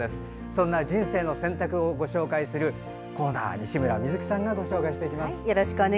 そんな「人生の選択」をご紹介するコーナー西村美月さんがご紹介します。